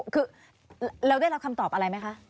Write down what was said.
คือเราได้รับคำตอบอะไรไหมคะ